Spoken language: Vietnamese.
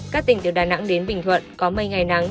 các tỉnh từ đà nẵng đến bình thuận có mây ngày nắng